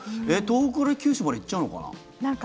東北から九州まで行っちゃうのかな。